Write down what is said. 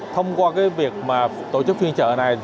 thông qua việc tổ chức phiên trợ này